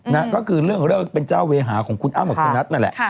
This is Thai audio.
นางก็คือเรื่องเรื่องเป็นเจ้าเวหาของคุณอ้ำกับนัทนั่นแหละ